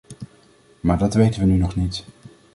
Maar dat weten we nu nog niet.